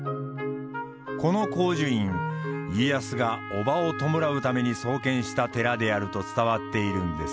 この紅樹院家康が伯母を弔うために創建した寺であると伝わっているんです。